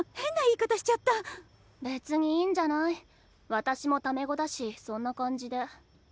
私もタメ語だしそんな感じで。